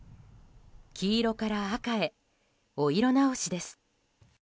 黄色から赤へ、お色直しです。